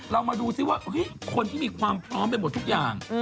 เรามาดูซิว่าคนที่มีความพร้อมไปหมดทุกอย่าง